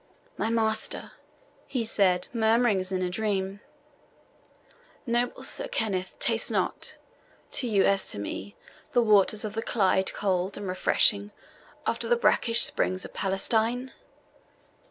"My master," he said, murmuring as in a dream, "noble Sir Kenneth, taste not, to you as to me, the waters of the Clyde cold and refreshing after the brackish springs of Palestine?"